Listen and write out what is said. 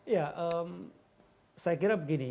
ya saya kira begini